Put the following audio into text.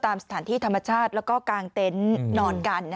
ตามสถานที่ธรรมชาติแล้วก็กางเต็นต์นอนกัน